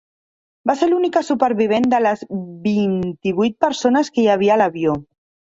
Va ser l'única supervivent de les vint-i-vuit persones que hi havia a l'avió.